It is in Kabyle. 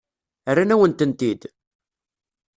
Rran-awen-tent-id?